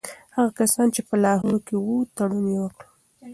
هغه کسان چي په لاهور کي وو تړون یې وکړ.